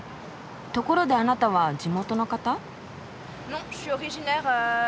ところであなたは地元の方？